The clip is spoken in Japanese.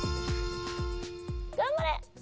頑張れ！